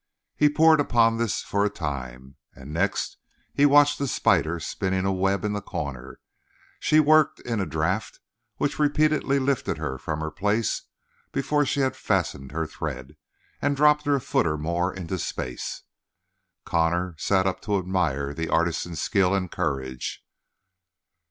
He pored upon this for a time, and next he watched a spider spinning a web in the corner; she worked in a draft which repeatedly lifted her from her place before she had fastened her thread, and dropped her a foot or more into space. Connor sat up to admire the artisan's skill and courage.